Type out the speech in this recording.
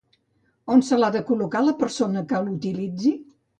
On se l'ha de col·locar la persona que l'utilitzi?